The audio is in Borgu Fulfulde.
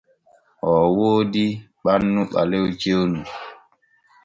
Oo woodi ɓannu ɓalew cewnu.